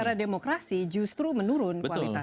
tapi demokrasi justru menurun